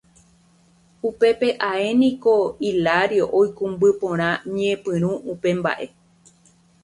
Upépe ae niko Hilario oikũmby porã ñepyrũ upe mba'e.